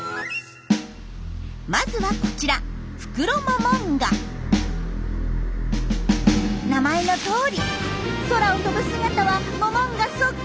まずはこちら名前のとおり空を飛ぶ姿はモモンガそっくり。